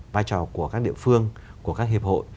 vai trò của các địa phương của các hiệp hội